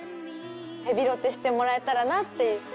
ヘビロテしてもらえたらなって。